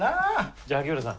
じゃあ萩原さん